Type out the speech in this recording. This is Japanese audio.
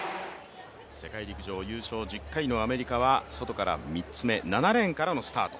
世界陸上優勝１０回のアメリカは外から３つ目、７レーンからのスタート。